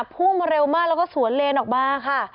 พุ่งมาเร็วมากแล้วก็สวนเลนออกมาค่ะ